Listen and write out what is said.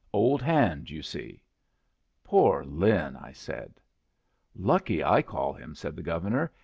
Old hand, you see." "Poor Lin!" I said. "Lucky, I call him," said the Governor.